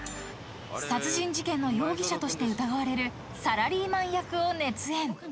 ［殺人事件の容疑者として疑われるサラリーマン役を熱演］